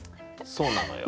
そうなのよ。